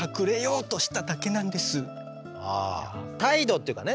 態度っていうかね